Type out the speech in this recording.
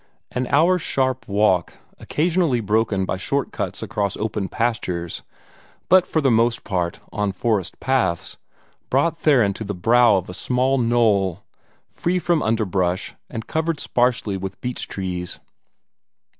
An hour's sharp walk, occasionally broken by short cuts across open pastures, but for the most part on forest paths, brought Theron to the brow of a small knoll, free from underbrush, and covered sparsely with beech trees.